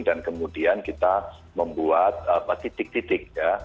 dan kemudian kita membuat titik titik